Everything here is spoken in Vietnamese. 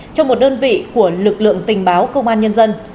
cho một đơn vị của lực lượng tình báo công an nhân dân